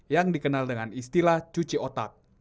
yang dikenal dengan istilah cuci otak